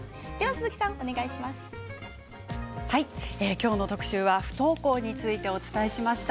今日の特集は不登校についてお伝えしました。